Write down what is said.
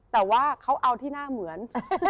แต่ว่าเขาเอาที่หน้าเหมือน